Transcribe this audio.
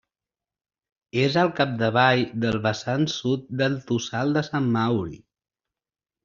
És al capdavall del vessant sud del Tossal de Sant Mauri.